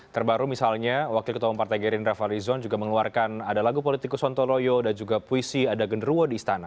terbaru misalnya wakil ketua partai gerindra valizon juga mengeluarkan ada lagu politikus sontoloyo dan juga puisi ada genruwo di istana